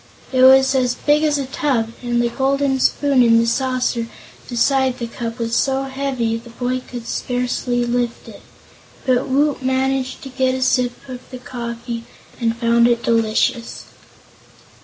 It was as big as a tub, and the golden spoon in the saucer beside the cup was so heavy the boy could scarcely lift it. But Woot managed to get a sip of the coffee and found it delicious.